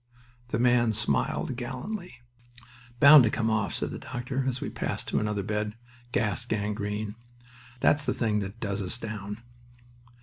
The man smiled gallantly. "Bound to come off," said the doctor as we passed to another bed. "Gas gangrene. That's the thing that does us down."